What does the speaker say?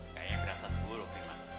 kayak pirasat buruk nih mak